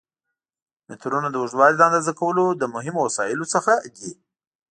مترونه د اوږدوالي د اندازه کولو له مهمو وسایلو څخه دي.